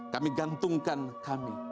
kami gantungkan kami